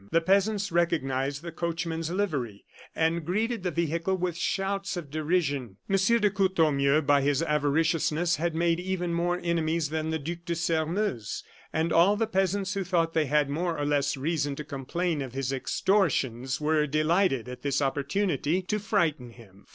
The peasants recognized the coachman's livery, and greeted the vehicle with shouts of derision. M. de Courtornieu, by his avariciousness, had made even more enemies than the Duc de Sairmeuse; and all the peasants who thought they had more or less reason to complain of his extortions were delighted at this opportunity to frighten him.